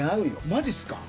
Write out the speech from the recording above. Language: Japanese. マジすか？